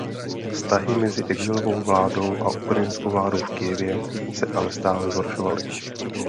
Vztahy mezi exilovou vládou a ukrajinskou vládou v Kyjevě se ale stále zhoršovaly.